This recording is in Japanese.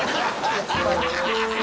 やっぱり。